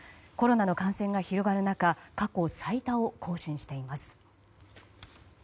コロナの感染が広がる中過去最多を更新しています。